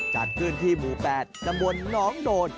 จัดขึ้นที่หมูแปดจำบวนน้องโดน